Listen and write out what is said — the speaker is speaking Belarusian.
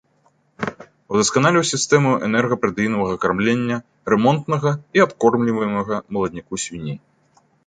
Удасканаліў сістэму энерга-пратэінавага кармлення рэмонтнага і адкормліваемага маладняку свіней.